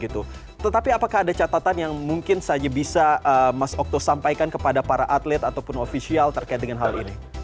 tetapi apakah ada catatan yang mungkin saja bisa mas okto sampaikan kepada para atlet ataupun ofisial terkait dengan hal ini